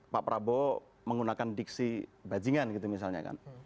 pak prabowo menggunakan diksi bajingan gitu misalnya kan